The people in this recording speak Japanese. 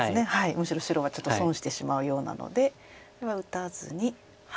むしろ白はちょっと損してしまうようなのでこれは打たずに。